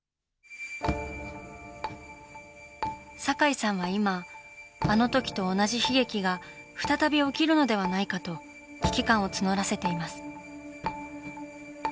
堺さんは今あのときと同じ悲劇が再び起きるのではないかと危機感を募らせています。